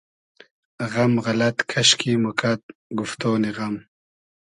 غئم غئلئد کئشکی موکئد گوفتۉنی غئم